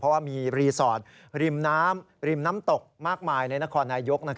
เพราะว่ามีรีสอร์ทริมน้ำริมน้ำตกมากมายในนครนายก